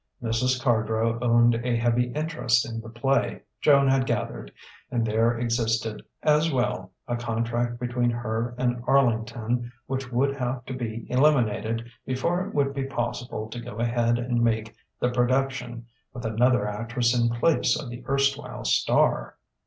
Mrs. Cardrow owned a heavy interest in the play, Joan had gathered; and there existed, as well, a contract between her and Arlington which would have to be eliminated before it would be possible to go ahead and make the production with another actress in place of the erstwhile star.